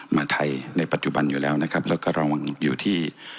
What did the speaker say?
มาไทยในปัจจุบันอยู่แล้วนะครับแล้วก็เราอยู่ที่